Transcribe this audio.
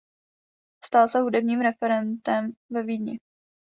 Stal se hudebním referentem ve Vídni.